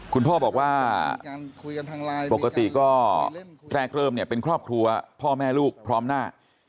คุณพ่อบอกว่าปกติก็แรกเริ่มเนี่ยเป็นครอบครัวพ่อแม่ลูกพร้อมหน้า